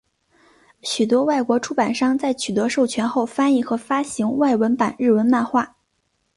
许多外国出版商在取得授权后翻译和发行外文版日本漫画。